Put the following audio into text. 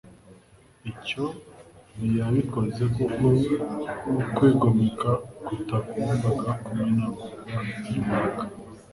ibyo ntiyabikoze kuko kwigomeka kutagombaga kumenagurwa n'imbaraga.